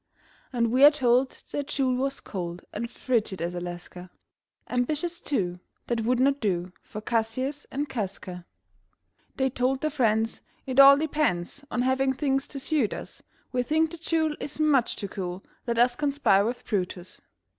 And we are told that Jule was cold And frigid as Alaska, Ambitious, too, that would not do For Cassius and Casca. They told their friends: "It all depends On having things to suit us. We think that Jule is much too cool; Let us conspire with Brutus."